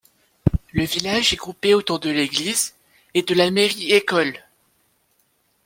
Le village est groupé autour de l'église et de la mairie-école.